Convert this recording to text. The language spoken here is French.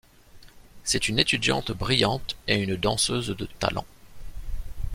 C'est une étudiante brillante et une danseuse de talent.